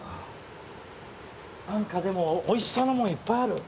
何かでもおいしそうなものいっぱいある。